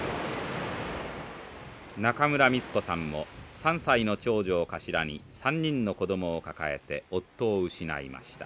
中村ミツコさんも３歳の長女を頭に３人の子供を抱えて夫を失いました。